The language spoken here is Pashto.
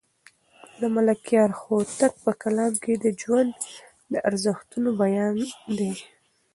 د ملکیار هوتک په کلام کې د ژوند د ارزښتونو بیان دی.